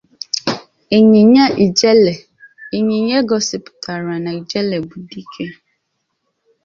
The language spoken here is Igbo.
Inyinya Ijele: Inyinya a gosipụtara na Ijele bụ Dike.